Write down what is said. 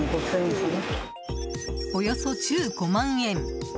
およそ１５万円。